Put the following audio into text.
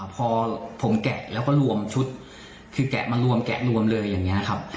พอผมแกะแล้วก็รวมชุดคือแกะมารวมแกะรวมเลยอย่างนี้ครับ